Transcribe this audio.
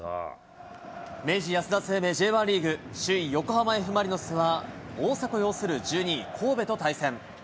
明治安田生命Ｊ１リーグ、首位横浜Ｆ・マリノスは大迫擁する１２位神戸と対戦。